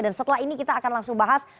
dan setelah ini kita akan langsung bahas